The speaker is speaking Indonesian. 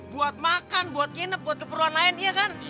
buat makan buat nginep buat keperluan lain iya kan